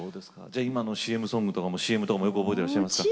じゃあ今のＣＭソングとかもＣＭとかもよく覚えていらっしゃいますか。